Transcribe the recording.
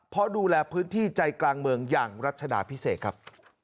เพราะดูแลพื้นที่ใจกลางเมืองอย่างรัชดาพิเศษครับ